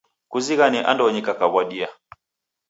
Kuzighane andonyi kakaw'adia